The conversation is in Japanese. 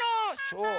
そう？